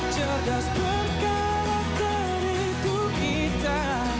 cerdas berkarakter itu kita